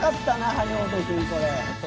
張本君これ」